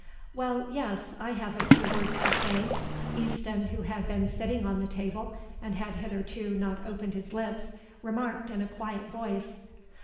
"Well, yes, I have a few words to say," Easton, who had been sitting on the table and had hitherto not opened his lips, remarked in a quiet voice.